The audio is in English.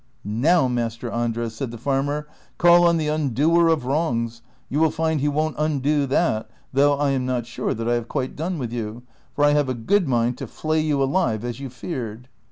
" iSTow, Master Andres," said the farmer, " call on the un doer of wrongs ; you will find he Avon't undo that, though I am not sure that I have (piite done with you, for I liave a good mind to flay you alive as you feared."